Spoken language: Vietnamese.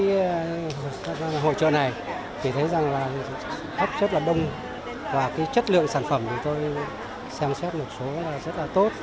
đến hội trợ này thì thấy rằng là hấp rất là đông và cái chất lượng sản phẩm thì tôi xem xét một số là rất là tốt